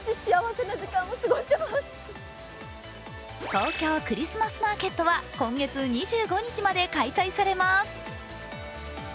東京クリスマスマーケットは今月２５日まで開催されます。